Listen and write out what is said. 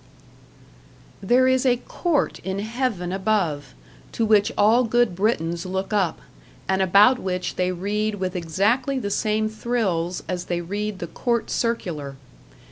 There is a court in Heaven above, to which all good Britons look up, and about which they read with exactly the same thrills as they read the Court Circular.